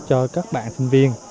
cho các bạn sinh viên